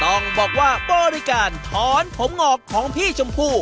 ต้องบอกว่าบริการถอนผมงอกของพี่ชมพู่